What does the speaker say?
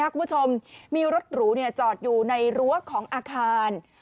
คุณผู้ชมมีรถหรูจอดอยู่ในรั้วของอาคาร